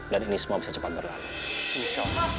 dan ini semua bisa cepat berlalu